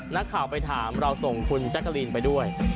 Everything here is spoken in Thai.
นักข่าวไปถามเราส่งคุณแจ๊กกะลีนไปด้วย